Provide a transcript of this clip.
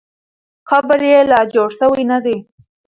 قبر یې لا جوړ سوی نه دی.